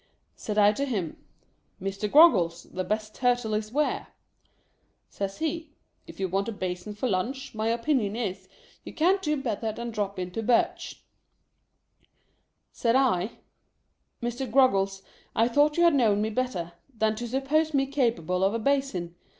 Said I to him, " Mr. Groggles, the best Turtle is where?" Says he, " If you want a basin for lunch, my opinion is, you can't do better than drop into Birch's." Said I, "Mr. Groggles, I thought you had known me better, than to suppose me capable of a basin.